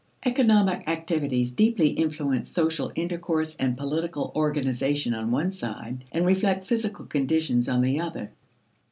Economic activities deeply influence social intercourse and political organization on one side, and reflect physical conditions on the other.